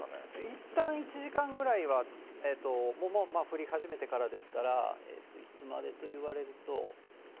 いったん１時間ぐらいは降り始めてからですから、いつまでといわれると。